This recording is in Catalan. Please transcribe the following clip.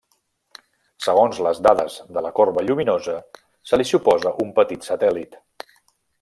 Segons les dades de la corba lluminosa, se li suposa un petit satèl·lit.